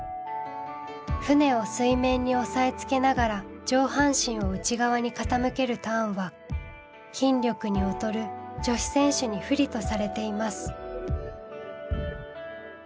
舟を水面に押さえつけながら上半身を内側に傾けるターンは筋力に劣る女子選手に不利とされています。